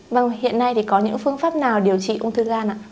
vâng hiện nay thì có những phương pháp nào điều trị ung thư gan ạ